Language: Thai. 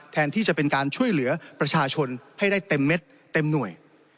แทนที่จะเป็นการช่วยเหลือประชาชนให้ได้เต็มเม็ดเต็มหน่วย